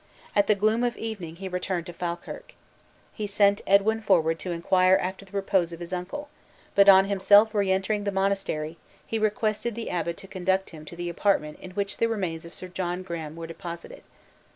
At the gloom of evening he returned to Falkirk. He sent Edwin forward to inquire after the repose of his uncle; but on himself re entering the monastery, he requested the abbot to conduct him to the apartment in which the remains of Sir John Graham were deposited.